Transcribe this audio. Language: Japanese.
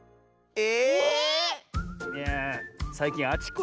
え？